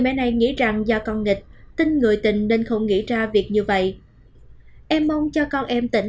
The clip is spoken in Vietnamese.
mẹ ai nghĩ rằng do con nghịch tin người tình nên không nghĩ ra việc như vậy em mong cho con em tỉnh